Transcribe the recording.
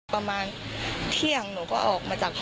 ประมาณเที่ยงหนูก็ออกมาจากห้อง